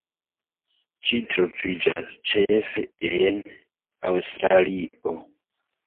Ĝi troviĝas ĉefe en Aŭstralio.